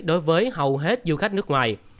đối với hầu hết du khách nước ngoài